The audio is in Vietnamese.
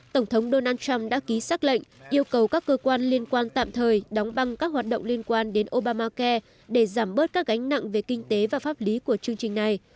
tổng thống donald trump đã ký xác lệnh yêu cầu các cơ quan liên quan tạm thời đóng băng các hoạt động liên quan đến obamacai để giảm bớt các gánh nặng về kinh tế và pháp lý của chương trình này